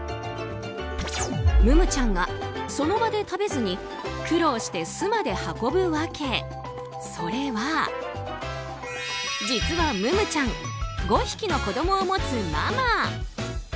ムムちゃんがその場で食べずに苦労して巣まで運ぶ訳それは、実はムムちゃん５匹の子供を持つママ。